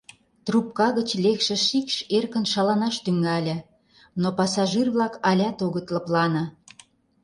Трупка гыч лекше шикш эркын шаланаш тӱҥале, но пассажир-влак алят огыт лыплане.